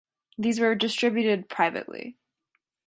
These were distributed privately.